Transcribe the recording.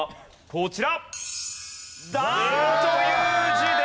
こちら。